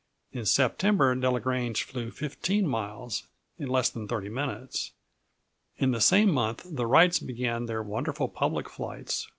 In September, Delagrange flew 15 miles in less than 30 minutes. In the same month the Wrights began their wonderful public flights.